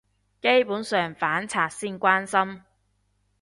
基本上反賊先關心